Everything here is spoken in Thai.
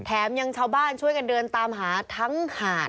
แถมยังชาวบ้านช่วยกันเดินตามหาทั้งหาด